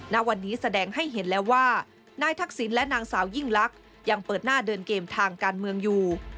ณวันนี้แสดงให้เห็นแล้วว่านายทักษิณและนางสาวยิ่งลักษณ์ยังเปิดหน้าเดินเกมทางการเมืองอยู่